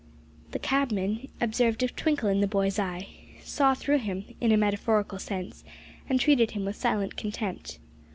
The cabman observed a twinkle in the boy's eye; saw through him; in a metaphorical sense, and treated him with silent contempt.